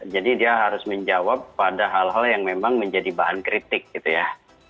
jadi dia harus menjawab pada hal hal yang memang menjadi bahan kritik gitu ya